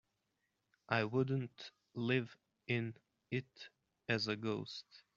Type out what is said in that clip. I wouldn't live in it as a ghost.